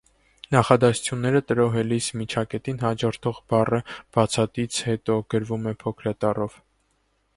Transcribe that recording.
Նախադասությունները տրոհելիս, միջակետին հաջորդող բառը (բացատից հետո) գրվում է փոքրատառով։